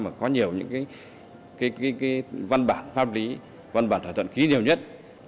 mà có nhiều những cái văn bản pháp lý văn bản thỏa thuận khí nhiều nhất